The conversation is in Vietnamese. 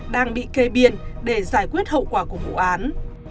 đang bị kê biên để giải quyết hậu quả của vụ án